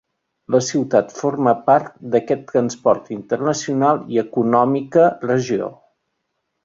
La ciutat forma part d'aquest transport internacional i econòmica regió.